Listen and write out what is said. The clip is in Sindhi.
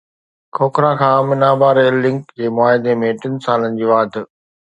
کوکھرا کان منا-با ريل لنڪ جي معاهدي ۾ ٽن سالن جي واڌ